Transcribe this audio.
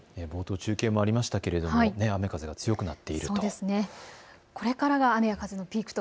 中継もありましたけれども雨風が強くなっていると。